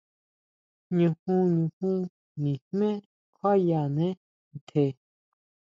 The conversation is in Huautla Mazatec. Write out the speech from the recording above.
Ñujun, ñujun nijmé kjuayánee ntje.